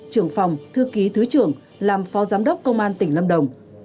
trưởng phòng thư ký thứ trưởng làm phó giám đốc công an tỉnh lâm đồng